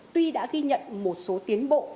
tuy đã ghi nhận một số tiến bộ